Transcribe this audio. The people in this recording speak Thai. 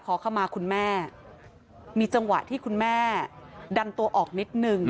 ขอเข้ามาคุณแม่มีจังหวะที่คุณแม่ดันตัวออกนิดนึง